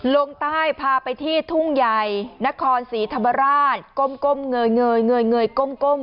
ลงใต้พาไปที่ทุ่งใหญ่นครศรีธรรมราชก้มเงย้ม